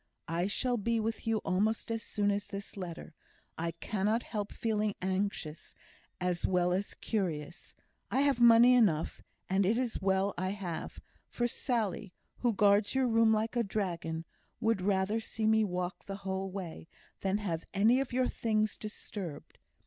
I shall be with you almost as soon as this letter. I cannot help feeling anxious, as well as curious. I have money enough, and it is well I have; for Sally, who guards your room like a dragon, would rather see me walk the whole way, than have any of your things disturbed.